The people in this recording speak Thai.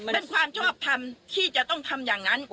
เป็นความชอบทำที่จะต้องทำอย่างนั้น